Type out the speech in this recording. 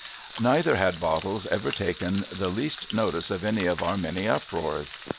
Neither had Bottles ever taken the least notice of any of our many uproars.